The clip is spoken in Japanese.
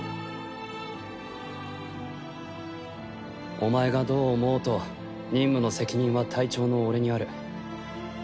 お前がどう思おうと任務の責任は隊長の俺にある。